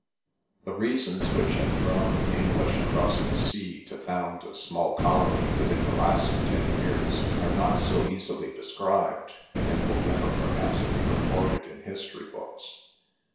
The reasons which had drawn the English across the sea to found a small colony within the last ten years are not so easily described, and will never perhaps be recorded in history books.